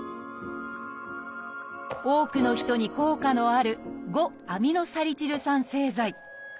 多くの人に効果のある５−アミノサリチル酸製剤。